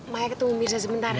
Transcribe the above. maya ketemu mirza sebentar